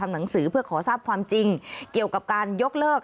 หนังสือเพื่อขอทราบความจริงเกี่ยวกับการยกเลิก